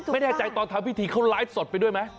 ไม่แน่ใจตอนทำพิธีเขาไลฟ์สดไปด้วยไหม